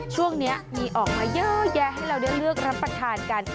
ช่วงนี้มีออกมาเยอะแยะให้เราได้เลือกรับประทานกัน